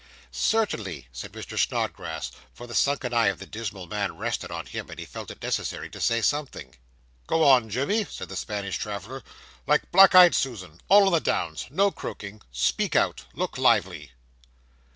'Certainly,' said Mr. Snodgrass: for the sunken eye of the dismal man rested on him, and he felt it necessary to say something. 'Go on, Jemmy,' said the Spanish traveller, 'like black eyed Susan all in the Downs no croaking speak out look lively.